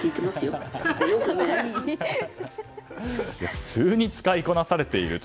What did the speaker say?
普通に使いこなされていると。